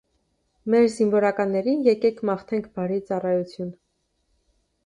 Մեր զինվորականներին եկեք մաղթենք բարի ծառայություն: